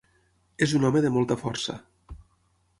És un home de molta força.